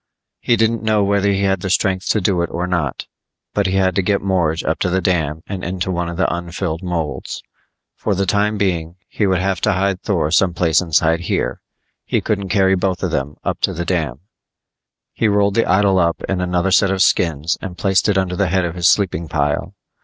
He didn't know whether he had the strength to do it or not, but he had to get Morge up to the dam and into one of the unfilled molds. For the time being he would have to hide Thor someplace inside here. He couldn't carry both of them up to the dam. He rolled the idol up in another set of skins and placed it under the head of his sleeping pile.